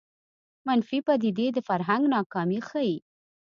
منفي پدیدې د فرهنګ ناکامي ښيي